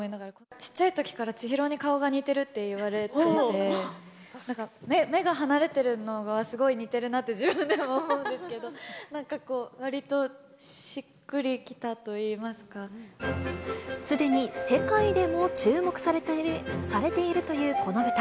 ちっちゃいときから、千尋に顔が似てるって言われてて、なんか、目が離れてるのがすごい似てるなって自分でも思うんですけど、なんかこう、すでに世界でも注目されているというこの舞台。